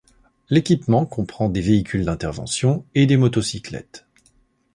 L’équipement comprend des véhicules d’intervention et des motocyclettes.